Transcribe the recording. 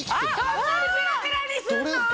そんなにペラペラにすんの？